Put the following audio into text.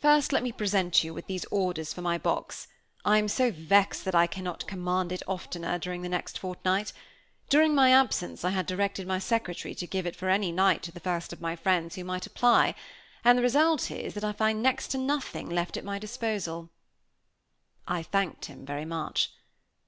First, let me present you with these orders for my box. I am so vexed that I cannot command it oftener during the next fortnight; during my absence I had directed my secretary to give it for any night to the first of my friends who might apply, and the result is, that I find next to nothing left at my disposal." I thanked him very much.